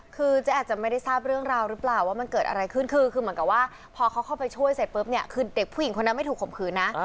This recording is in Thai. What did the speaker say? คือเจ๊อาจจะไม่ได้ทราบเรื่องราวหรือเปล่าว่ามันเกิดอะไรขึ้นคือคือเหมือนกับว่าพอเขาเข้าไปช่วยเสร็จปุ๊บเนี่ยคือเด็กผู้หญิงคนนั้นไม่ถูกข่มขืนนะ